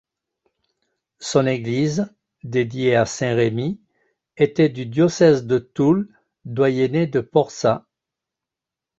Son église, dédiée à saint Remi, était du diocèse de Toul, doyenné de Porsas.